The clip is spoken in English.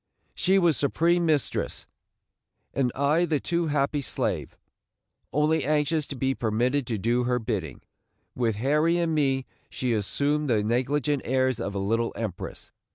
She was supreme mistress, and I the too happy slave, only anxious to be permitted to do her bidding. With Harry and me she assumed the negligent airs of a little empress.